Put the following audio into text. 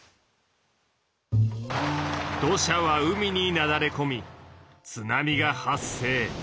土砂は海になだれこみ津波が発生。